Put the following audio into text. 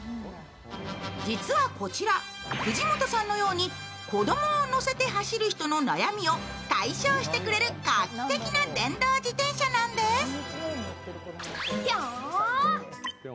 実はこちら、藤本さんのように子供を乗せて乗るママさんの悩みを解消してくれる画期的な電動自転車なんです。